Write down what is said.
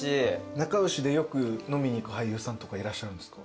仲良しでよく飲みに行く俳優さんとかいらっしゃるんですか？